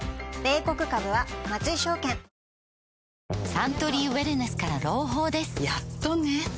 サントリーウエルネスから朗報ですやっとね